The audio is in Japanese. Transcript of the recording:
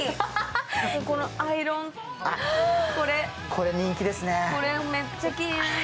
これ人気ですね。